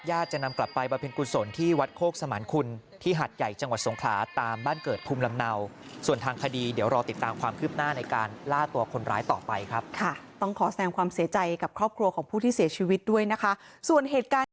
อยากให้อยู่กันเป็นพี่เป็นน้องอยากให้มีเหตุการณ์